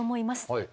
はい。